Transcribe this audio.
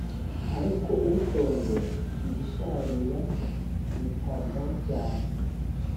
ariko ushonje ibisharira yitabwaho cyane